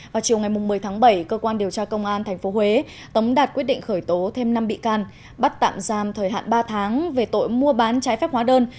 vào chiều ngày một mươi tháng bảy cơ quan điều tra công an tp huế tống đạt quyết định khởi tố thêm năm bị can bắt tạm giam thời hạn ba tháng về tội mua bán trái phép hóa đơn